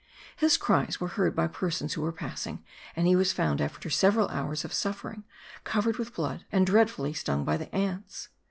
His cries were heard by persons who were passing, and he was found after several hours of suffering, covered with blood, and dreadfully stung by the ants.